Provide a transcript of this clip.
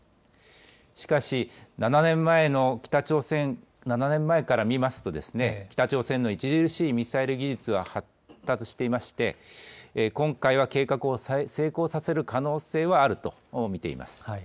しかし、７年前から見ますと、北朝鮮の著しいミサイル技術は発達していまして、今回は計画を成功させる可能性はあると見ています。